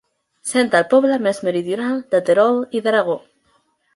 Sent el poble més meridional de Terol i d'Aragó.